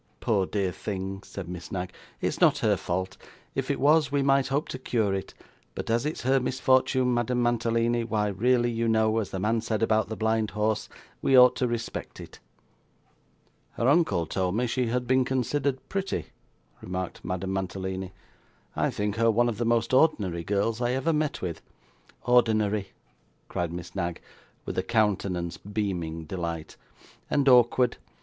'Poor dear thing,' said Miss Knag, 'it's not her fault. If it was, we might hope to cure it; but as it's her misfortune, Madame Mantalini, why really you know, as the man said about the blind horse, we ought to respect it.' 'Her uncle told me she had been considered pretty,' remarked Madame Mantalini. 'I think her one of the most ordinary girls I ever met with.' 'Ordinary!' cried Miss Knag with a countenance beaming delight; 'and awkward!